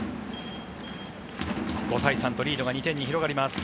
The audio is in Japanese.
５対３とリードが２点に広がります。